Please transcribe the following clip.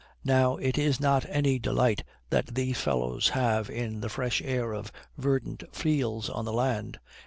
Now it is not any delight that these fellows have in the fresh air or verdant fields on the land.